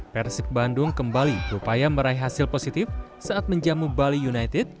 persib bandung kembali berupaya meraih hasil positif saat menjamu bali united